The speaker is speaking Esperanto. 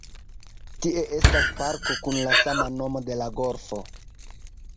Tie estas parko kun la sama nomo de la golfo.